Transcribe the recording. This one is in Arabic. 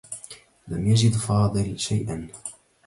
لم يجد فاضل شيئا.